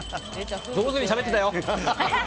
上手にしゃべってたよ！